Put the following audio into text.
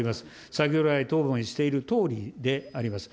先ほど来答弁しているとおりであります。